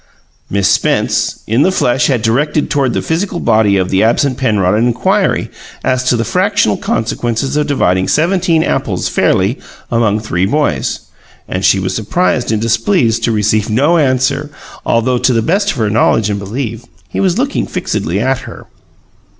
Miss Spence in the flesh had directed toward the physical body of the absent Penrod an inquiry as to the fractional consequences of dividing seventeen apples, fairly, among three boys, and she was surprised and displeased to receive no answer although to the best of her knowledge and belief, he was looking fixedly at her.